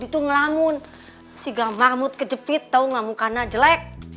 ih ngelamun w sustainable